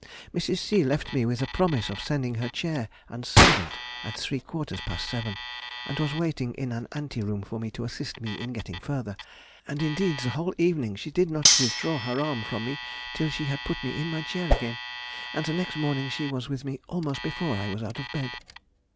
Mrs. C. left me with a promise of sending her chair and servant at three quarters past seven, and was waiting in an ante room for me to assist me in getting further, and, indeed, the whole evening she did not withdraw her arm from me till she had put me in my chair again, and the next morning she was with me almost before I was out of bed.